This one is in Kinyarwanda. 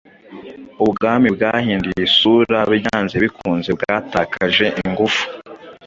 Ubwami bwahinduye isura byanze bikunze bwatakaje ingufu.